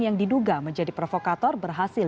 yang diduga menjadi provokator berhasil